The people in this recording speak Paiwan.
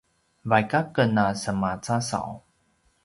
vaik aken a semacasaw